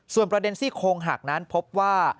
ส่วนประเด็นซี่โคงหักนั้นพบว่า